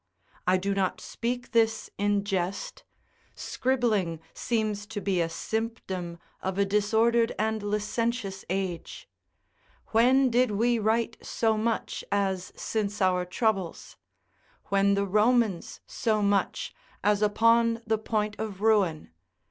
I do not speak this in jest: scribbling seems to be a symptom of a disordered and licentious age. When did we write so much as since our troubles? when the Romans so much, as upon the point of ruin?